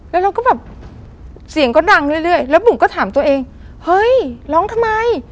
แล้วเราก็แบบเสียงก็ดังเรื่อยแล้วบุ๋มก็ถามตัวเองเฮ้ยร้องทำไม